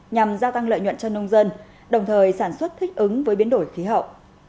nhằm gia tăng lợi nhuận cho nông dân đồng thời sản xuất thích ứng với biến đổi khí hậu